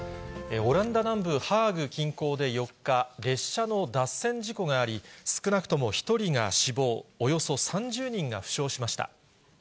オランダ南部ハーグ近郊で４日、列車の脱線事故があり、少なくとも１人が死亡、およそ３０人が負傷しました。